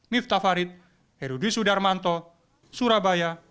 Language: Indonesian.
miftah farid herudisudar manto surabaya